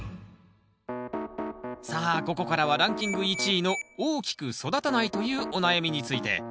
さあここからはランキング１位の大きく育たないというお悩みについて。